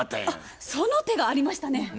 あっその手がありましたね。